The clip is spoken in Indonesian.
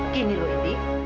gini loh indi